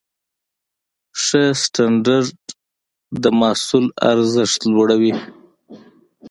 ښه سټنډرډ د محصول ارزښت لوړوي.